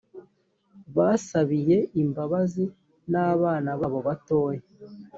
basabiye imbabazi n’abana babo batoya